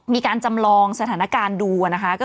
มีการจำลองสถานการณ์ดูนะคะ